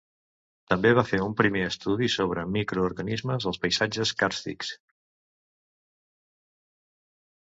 També va fer un primer estudi sobre microorganismes als paisatges càrstics.